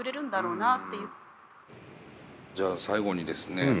さあ、じゃあ最後にですね